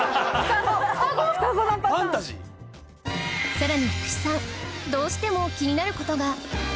さらに福士さんどうしても気になる事が